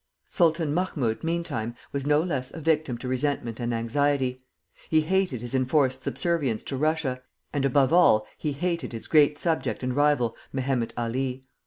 Sultan Mahmoud meantime was no less a victim to resentment and anxiety. He hated his enforced subservience to Russia, and above all he hated his great subject and rival, Mehemet Ali.